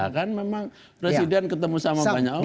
kan memang presiden ketemu sama banyak orang